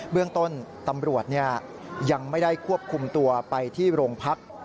เรื่องต้นตำรวจยังไม่ได้ควบคุมตัวไปที่โรงพัก